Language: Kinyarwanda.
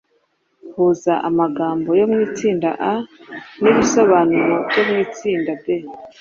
Huza amagambo yo mu itsinda A n’ibisobanuro byo mu itsinda B.